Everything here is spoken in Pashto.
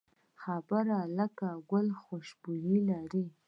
خبره لکه ګل خوشبويي لري